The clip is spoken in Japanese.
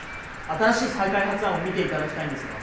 新しい再開発案を見ていただきたいんですが。